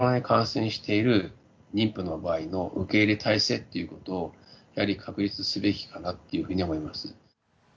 コロナに感染している妊婦の場合の受け入れ態勢っていうことを、やはり確立すべきかなというふうに思います。